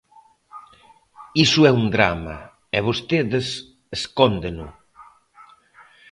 Iso é un drama, e vostedes escóndeno.